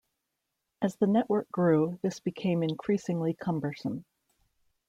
As the network grew, this became increasingly cumbersome.